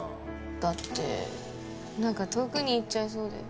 だってなんか遠くに行っちゃいそうで。